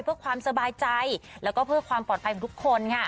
เพื่อความสบายใจแล้วก็เพื่อความปลอดภัยของทุกคนค่ะ